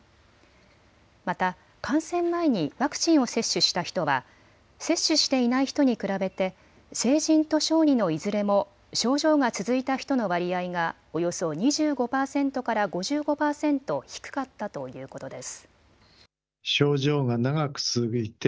また感染前にワクチンを接種した人は接種していない人に比べて成人と小児のいずれも症状が続いた人の割合がおよそ２５％から５５％低かったということです。